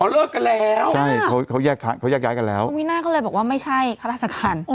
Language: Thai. เลิกกันแล้วใช่เขาเขาแยกเขาแยกย้ายกันแล้วคุณวิน่าก็เลยบอกว่าไม่ใช่ข้าราชการ